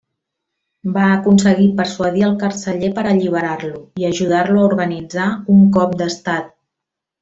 Va aconseguir persuadir al carceller per alliberar-lo i ajudar-lo a organitzar un cop d'Estat.